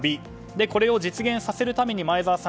これを実現させるために前澤さん